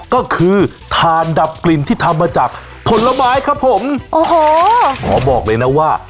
ก็คือถ่านดับกลิ่นที่ทำมาจากผลไม้ครับผมโอ้โหขอบอกเลยนะว่า